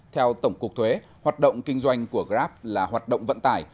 theo tổng cục thuế hoạt động kinh doanh của grab là hoạt động vận tải